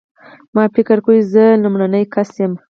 ما فکر کاوه زه لومړنی کس یم.